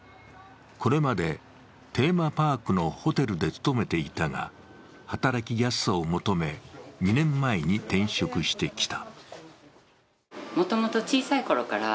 これまでテーマパークのホテルで勤めていたが、働きやすさを求め、２年前転職してきた。